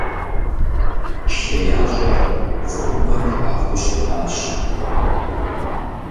ХеящӀэр цӀыхубэм хахыу щытащ.